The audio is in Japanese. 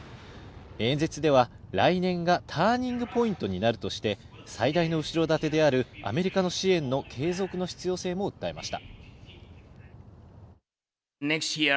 演説では来年がターニングポイントになるとして、最大の後ろ盾であるアメリカの支援の継続の必要性も訴えました。